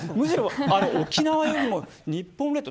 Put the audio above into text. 沖縄よりも日本列島